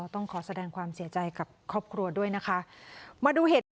ต้องขอแสดงความเสียใจกับครอบครัวด้วยนะค่ะ